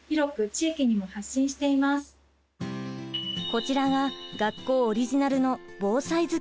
こちらが学校オリジナルの防災頭巾。